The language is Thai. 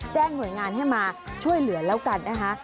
หน่วยงานให้มาช่วยเหลือแล้วกันนะคะ